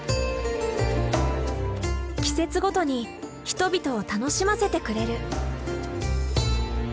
季節ごとに人々を楽しませてくれる。